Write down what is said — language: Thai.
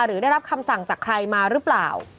หรือได้รับคำสั่งจากใครมาหรือเปล่า